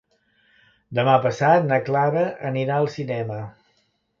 Demà passat na Clara anirà al cinema.